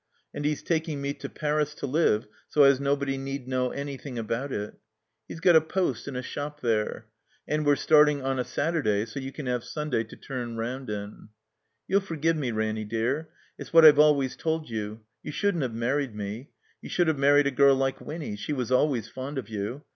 And he's taking me to Paris to live so as nobody need know anything about it. He's got a post in a shop there. And we're starting on a Saturday so as you can have Sunday to turn round in. Youll forgive me, Ranny dea:*. It's what I've always told you — you shouldn't have married me. You should have married a girl like Winny. She was always fond of you.